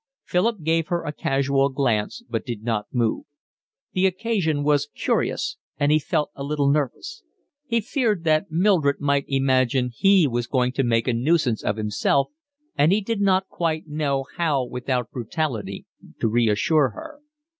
Philip gave her a casual glance, but did not move; the occasion was curious, and he felt a little nervous. He feared that Mildred might imagine he was going to make a nuisance of himself, and he did not quite know how without brutality to reassure her.